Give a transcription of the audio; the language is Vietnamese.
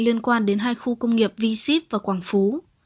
liên quan đến hai khu công nghiệp v ship và quảng phú